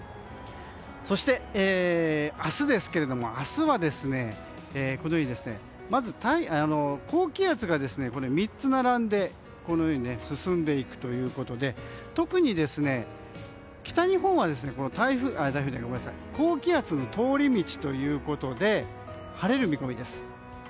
そして、明日ですけど明日は高気圧が３つ並んで進んでいくということで特に北日本は高気圧の通り道ということで晴れる見込みです。